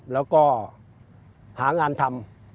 แล้วก็หางานทำ